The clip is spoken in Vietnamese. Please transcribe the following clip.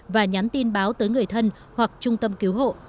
và nhắn tin báo tới người thân hoặc trung tâm cứu hộ